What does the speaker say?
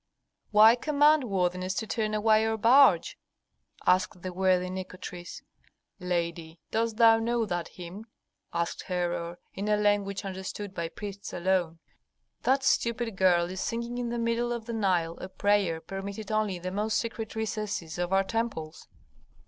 "Why command, worthiness, to turn away our barge?" asked the worthy Nikotris. "Lady, dost thou know that hymn?" asked Herhor, in a language understood by priests alone. "That stupid girl is singing in the middle of the Nile a prayer permitted only in the most secret recesses of our temples."